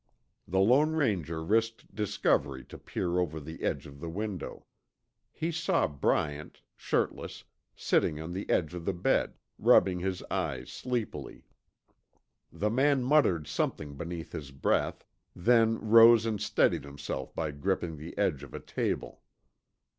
The Lone Ranger risked discovery to peer over the edge of the window. He saw Bryant, shirtless, sitting on the edge of the bed, rubbing his eyes sleepily. The man muttered something beneath his breath, then rose and steadied himself by gripping the edge of a table.